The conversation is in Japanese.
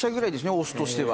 オスとしては。